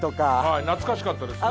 懐かしかったですね。